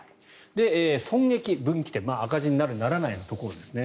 損益分岐点赤字になる、ならないのところですね。